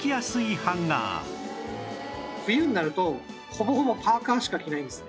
冬になるとほぼほぼパーカーしか着ないんですね。